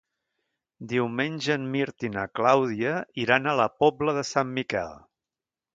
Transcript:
Diumenge en Mirt i na Clàudia iran a la Pobla de Sant Miquel.